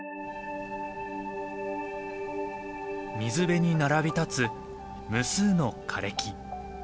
水辺に並び立つ無数の枯れ木。